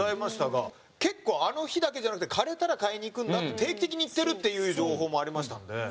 結構あの日だけじゃなくて枯れたら買いに行くんだ定期的に行ってるっていう情報もありましたんで。